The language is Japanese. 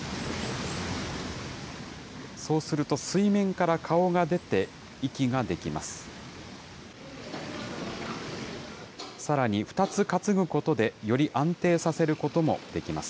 そうすると、水面から顔が出て息ができます。